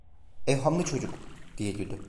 "Evhamlı çocuk…" diye güldü.